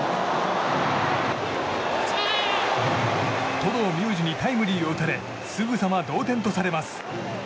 登藤海優史にタイムリーを打たれすぐさま同点とされます。